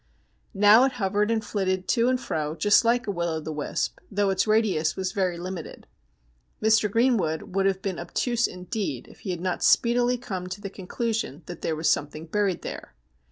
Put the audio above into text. Now it hovered and flitted to and fro just like a will o' the wisp, though its radius was very limited. Mr. Greenwood would have been obtuse indeed if he had not speedily come to the conclusion that there was something buried there.